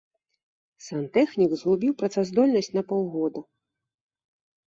Сантэхнік згубіў працаздольнасць на паўгода.